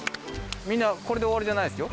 みんなこれでおわりじゃないですよ。